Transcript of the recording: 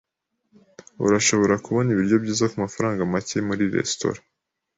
Urashobora kubona ibiryo byiza kumafaranga make muri resitora.